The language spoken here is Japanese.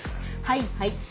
はいはい。